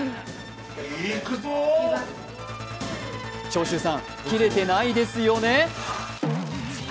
長州さんキレてないですよね？